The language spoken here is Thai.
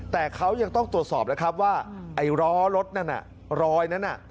แต่เขายังต้องตรวจสอบแล้วครับว่าไอ้ล้อรถนั่นน่ะรอยนั้นน่ะ